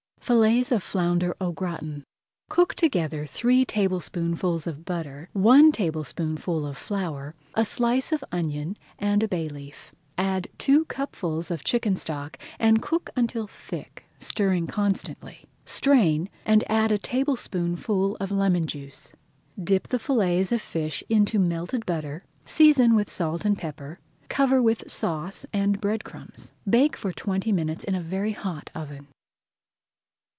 FILLETS OF FLOUNDER AU GRATIN Cook together three tablespoonfuls of butter, one tablespoonful of flour, a slice of onion, and a bay leaf. Add two cupfuls of chicken stock and cook until thick, stirring constantly. Strain, and add a tablespoonful of lemon juice. Dip the fillets of fish into melted butter, season with salt and pepper, cover with sauce and bread crumbs. Bake for twenty minutes in a very hot oven.